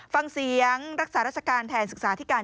ฟังเสียงรักษาราชการแทนศึกษาที่การ